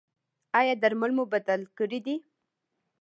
ایا درمل مو بدل کړي دي؟